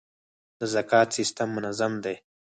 د زکات سیستم منظم دی؟